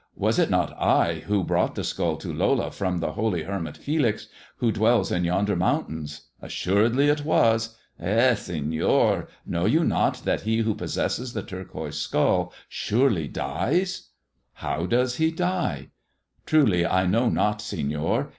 Was it not I who broi^ the skull to Lola from the holy hermit Felix, who^ dwell yonder mountains ? Assuredly it was. Eh, Seiior I kl you not that he who possesses the turquoise skull ni^ dies ]" 1 "How does he die?" " Truly I know not, Senor.